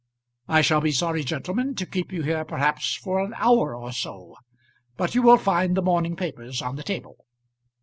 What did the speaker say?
I shall be sorry, gentlemen, to keep you here, perhaps for an hour or so, but you will find the morning papers on the table."